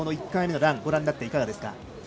１回目のランをご覧になっていかがですか。